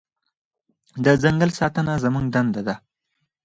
د ځنګل ساتنه زموږ دنده ده.